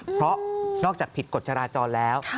เพราะนอกจากผิดกฎจราจรแล้ว